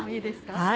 はい。